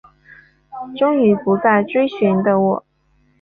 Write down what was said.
终于不再追寻的我